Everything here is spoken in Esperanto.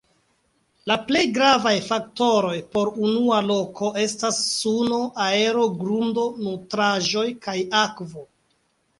La plej gravaj faktoroj por unuopa loko estas suno, aero, grundo, nutraĵoj, kaj akvo.